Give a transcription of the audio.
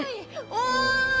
おい！